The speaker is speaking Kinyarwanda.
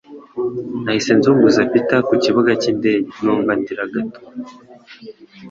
Nahise nzunguza Peter ku kibuga cy'indege numva ndira gato